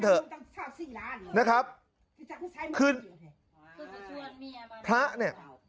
พระเนี่ย